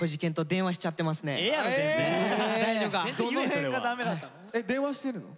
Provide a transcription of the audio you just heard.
電話してるの？